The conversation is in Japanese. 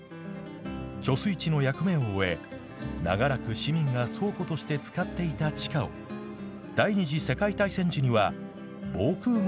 貯水池の役目を終え長らく市民が倉庫として使っていた地下を第２次世界大戦時には防空ごうとして再利用したのです。